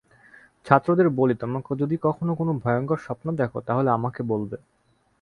ছাত্রদের বলি, তোমরা যদি কখনো কোনো ভয়ংকর স্বপ্ন দেখ, তাহলে আমাকে বলবে।